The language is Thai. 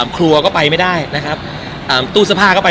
ครัวก็ไปไม่ได้นะครับเอ่อตู้สภาพก็ไป